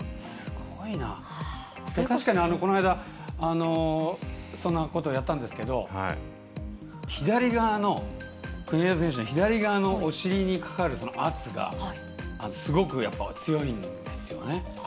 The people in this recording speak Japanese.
確かにこの間そんなことをやったんですけど国枝選手の左側のお尻にかかる圧がすごく強いんですよね。